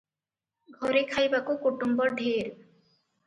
ଘରେ ଖାଇବାକୁ କୁଟୁମ୍ବ ଢେର ।